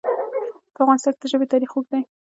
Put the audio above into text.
په افغانستان کې د ژبې تاریخ اوږد دی.